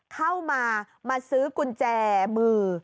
เข้ามามาซื้อกุญแจมือ